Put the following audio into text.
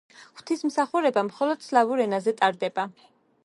ღვთისმსახურება მხოლოდ სლავურ ენაზე ტარდებოდა.